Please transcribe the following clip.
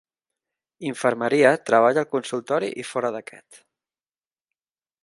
Infermeria treballa al consultori i fora d'aquest.